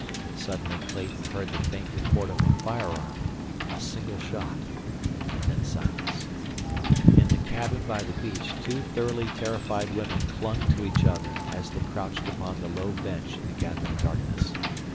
Suddenly Clayton heard the faint report of a firearm—a single shot, and then silence. In the cabin by the beach two thoroughly terrified women clung to each other as they crouched upon the low bench in the gathering darkness.